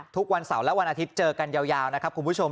ทุกวันเสาร์และวันอาทิตย์เจอกันยาวนะครับคุณผู้ชม